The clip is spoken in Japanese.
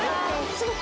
「すごい！」